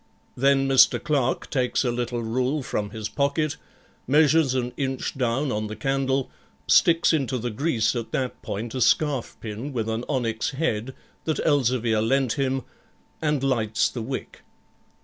Then Mr. Clerk takes a little rule from his pocket, measures an inch down on the candle, sticks into the grease at that point a scarf pin with an onyx head that Elzevir lent him, and lights the wick.